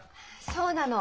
そうなの。